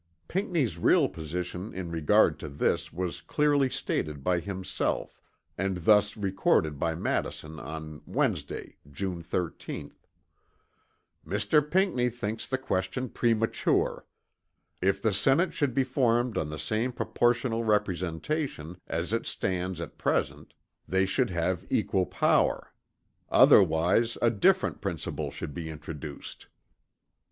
Pinckney's real position in regard to this was clearly stated by himself and thus recorded by Madison on Wednesday, June 13th; "Mr. Pinckney thinks the question premature. If the Senate should be formed on the same proportional representation, as it stands at present, they should have equal power. Otherwise a different principle should be introduced."